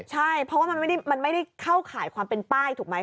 ใช่เพราะว่ามันไม่ได้เข้าข่ายความเป็นป้ายถูกไหม